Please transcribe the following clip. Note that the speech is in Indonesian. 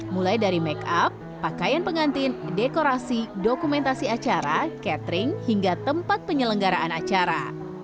mulai dari make up pakaian pengantin dekorasi dokumentasi acara catering hingga tempat penyelenggaraan acara